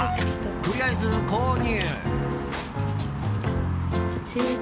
とりあえず購入。